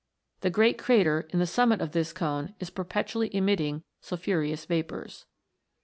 The great crater in the summit of this cone is perpetually emitting sulphureous vapours.